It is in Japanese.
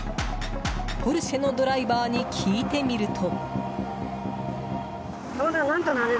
ポルシェのドライバーに聞いてみると。